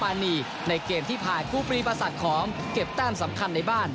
และความปานีในเกมที่ผ่านครูปรีปศักดิ์ของเก็บแต้นสำคัญในบ้าน